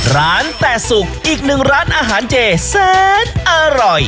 ร้านแต่สุกอีกหนึ่งร้านอาหารเจแสนอร่อย